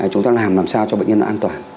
chúng ta làm làm sao cho bệnh nhân nó an toàn